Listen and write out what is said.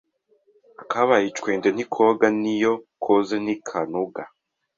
Akabaye icwende ntikoga, niyo koze ntikanoga,